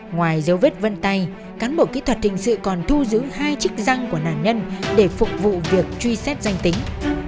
ngoài dấu vết vân tay cán bộ kỹ thuật hình sự còn thu giữ hai chức răng của nạn nhân để phục vụ việc truy xét danh tính